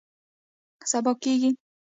سبا کیږي